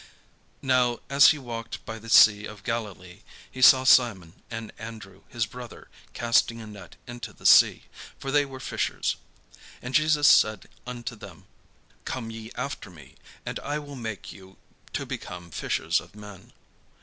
Now as he walked by the sea of Galilee, he saw Simon and Andrew his brother casting a net into the sea: for they were fishers. And Jesus said unto them: "Come ye after me, and I will make you to become fishers of men."